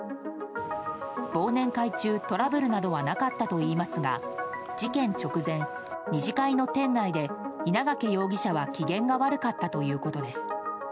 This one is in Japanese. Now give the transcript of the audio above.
忘年会中、トラブルなどはなかったといいますが事件直前、２次会の店内で稲掛容疑者は機嫌が悪かったということです。